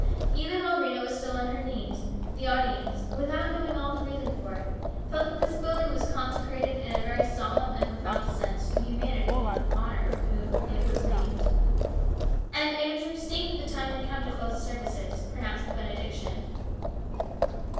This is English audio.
Even while Rhena was still upon her knees, the audience, without knowing all the reason for it, felt that this building was consecrated in a very solemn and profound sense to the humanity in honour of which it was named. And Andrew, seeing that the time had come to close the services, pronounced the benediction.